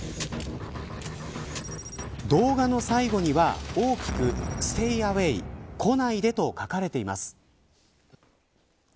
動画の最後には大きくＳｔａｙＡｗａｙ来ないでと書かれています。